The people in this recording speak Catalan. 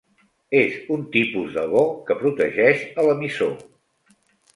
És un tipus de bo que protegeix a l'emissor.